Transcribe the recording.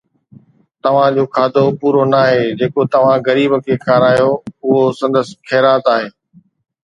توهان جو کاڌو پورو ناهي، جيڪو توهان غريب کي کارايو اهو سندس خيرات آهي